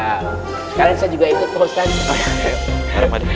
sekarang saya juga ikut pak ustadz